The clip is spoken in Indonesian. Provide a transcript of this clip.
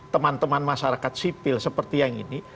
teman teman masyarakat sipil seperti yang ini